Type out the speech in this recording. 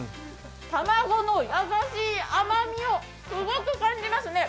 卵の優しい甘みをすごく感じますね。